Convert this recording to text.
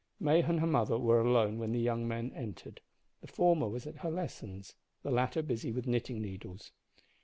May and her mother were alone when the young men entered; the former was at her lessons, the latter busy with knitting needles.